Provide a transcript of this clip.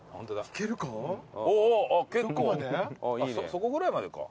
そこぐらいまでか。